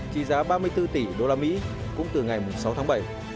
trị giá ba mươi bốn tỷ usd cũng từ ngày sáu tháng bảy